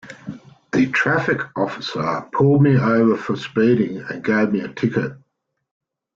The traffic officer pulled me over for speeding and gave me a ticket.